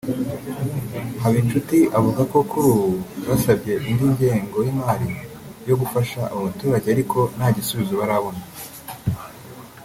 Habinshuti avuga ko kuri ubu basabye indi ngengo y’imari yo gufasha abo baturage ariko nta gisubizo barabona